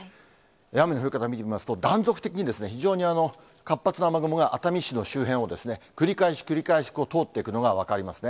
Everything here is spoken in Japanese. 雨の降り方、見てみますと、断続的にですね、非常に活発な雨雲が熱海市の周辺を繰り返し繰り返し通っていくのが分かりますね。